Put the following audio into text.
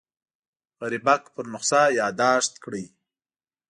غریبک پر نسخه یاداښت کړی.